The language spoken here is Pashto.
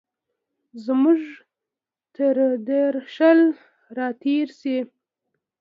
زموږ تردرشل، را تېرشي